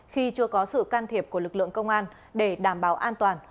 khi chưa có sự can thiệp của lực lượng công an để đảm bảo an toàn